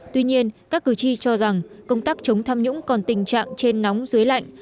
tuy nhiên các cử tri cho rằng công tác chống tham nhũng còn tình trạng trên nóng dưới lạnh